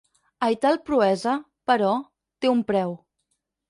Aital proesa, però, té un preu.